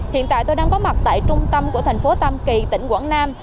hiện tại tôi đang có mặt tại trung tâm của thành phố tam kỳ tỉnh quảng nam